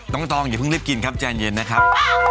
ตรงอย่าเพิ่งรีบกินครับแจ้งเย็นนะครับ